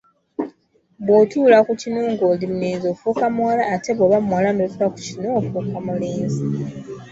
Bw’otuula ku kinu ng’oli mulenzi ofuuka muwala ate bw’oba muwala n’otuula ku kinu ofuuka mulenzi.